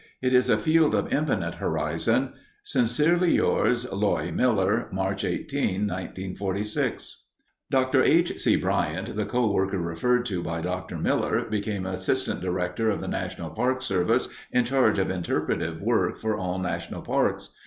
It is a field of infinite horizon. Sincerely yours, Loye Miller March 18, 1946. Dr. H. C. Bryant, the coworker referred to by Dr. Miller, became Assistant Director of the National Park Service in charge of interpretive work for all national parks.